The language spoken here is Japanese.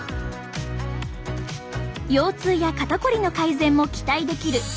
腰痛や肩こりの改善も期待できる尻トレ。